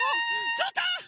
ちょっと！